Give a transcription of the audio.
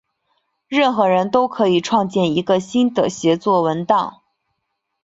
任何人都可以创建一个新的协作文档。